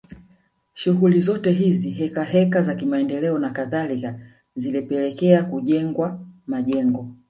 Shughuli zote hizi heka heka za kimaendeleo na kadhalika zilipelekea kujengwa majengo